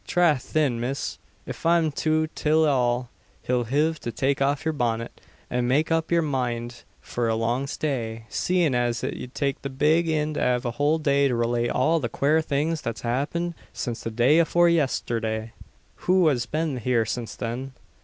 "Trath! thin miss, if I'm to till all, ye'll hiv to take off your bonnet, and make up your moind for a long stay seein' as it 'ut take the big ind av a whole day to relate all the quare things that's happened since the day afore yesthirday." "Who has been here since then?"